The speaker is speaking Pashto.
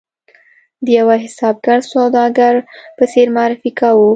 د یوه حسابګر سوداګر په څېر معرفي کاوه.